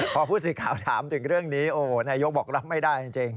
พอผู้สื่อข่าวถามถึงเรื่องนี้โอ้นายกบอกรับไม่ได้จริง